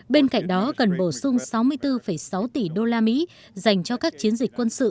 bên cạnh đó cần bổ sung sáu mươi bốn sáu tỷ usd dành cho các chiến dịch quân sự